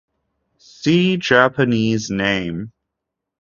See Japanese name.